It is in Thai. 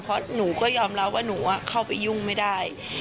เพราะหนูก็ยอมรับว่าหนูเข้าไปยุ่งไม่ได้